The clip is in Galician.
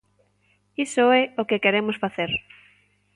Iso é o que queremos facer.